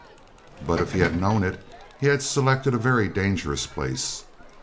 But if he had known it, he had selected a very dangerous place.